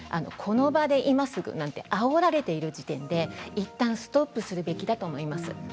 この場で、今すぐなんてあおられている時点でいったんストップするべきだと思います。